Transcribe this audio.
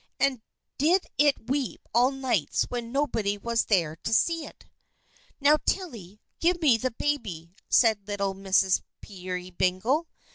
and did it weep all nights when nobody was there to see it?" "Now, Tilly, give me the baby," said little Mrs. Peerybingle.